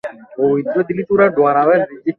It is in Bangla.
তোমারই কোনো এক শত্রু ওকে খুন করেছে।